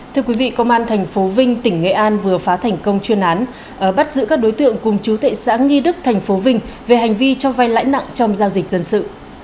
thưa quý vị công an tp vinh tỉnh nghệ an vừa phá thành công chuyên án bắt giữ các đối tượng cùng chú tệ xã nghi đức thành phố vinh về hành vi cho vai lãi nặng trong giao dịch dân sự